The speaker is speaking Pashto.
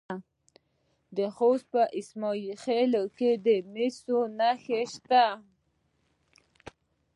د خوست په اسماعیل خیل کې د مسو نښې شته.